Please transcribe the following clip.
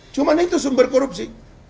cuman itu sumber korupsi